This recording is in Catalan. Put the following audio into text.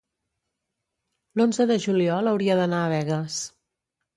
l'onze de juliol hauria d'anar a Begues.